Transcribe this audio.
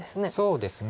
そうですね。